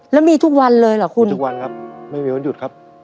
แล้วมีทุกวันเลยเหรอคุณมีทุกวันครับไม่มีวันหยุดครับ